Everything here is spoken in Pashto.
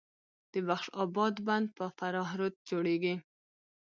د بخش اباد بند په فراه رود جوړیږي